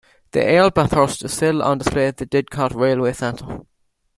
The "Earl Bathurst" is still on display at the Didcot Railway centre.